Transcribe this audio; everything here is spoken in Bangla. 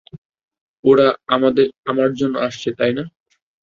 ওরা আমার জন্য আসছে, তাই না?